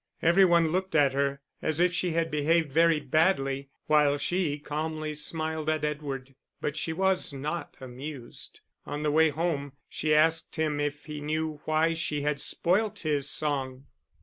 Every one looked at her, as if she had behaved very badly, while she calmly smiled at Edward. But she was not amused. On the way home she asked him if he knew why she had spoilt his song.